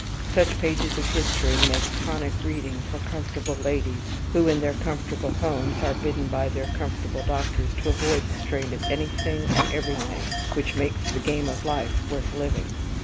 Such pages of history make tonic reading for comfortable ladies who, in their comfortable homes, are bidden by their comfortable doctors to avoid the strain of anything and everything which makes the game of life worth living.